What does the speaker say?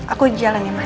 aku jalan ya ma